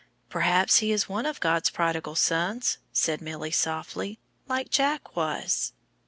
"Perhaps he is one of God's prodigal sons," said Milly softly, "like Jack was."